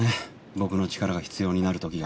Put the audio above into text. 僕の力が必要になるときが。